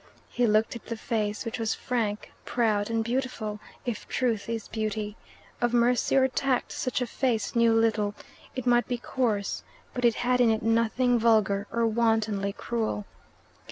He looked at the face, which was frank, proud, and beautiful, if truth is beauty. Of mercy or tact such a face knew little. It might be coarse, but it had in it nothing vulgar or wantonly cruel.